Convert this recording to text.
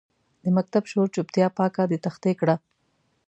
د مکتب شور چوپتیا پاکه د تختې کړه